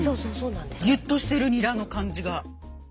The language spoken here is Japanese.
ギュッとしてるニラの感じが。